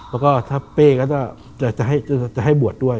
แล้วก็ถ้าเป้ก็จะให้บวชด้วย